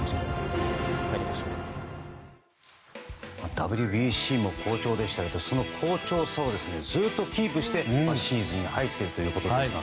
ＷＢＣも好調でしたけどその好調さをずっとキープしてシーズンに入っているということですが。